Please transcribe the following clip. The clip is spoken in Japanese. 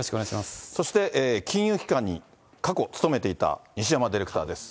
そして、金融機関に過去勤めていた西山ディレクターです。